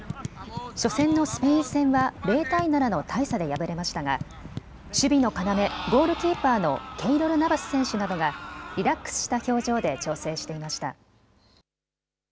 初戦のスペイン戦は０対７の大差で敗れましたが守備の要、ゴールキーパーのケイロル・ナバス選手などがリラックスした表情で調整していました。